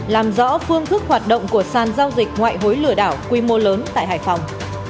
làm rõ phương thức hoạt động của sàn giao dịch ngoại hối lừa đảo quy mô lớn tại hải phòng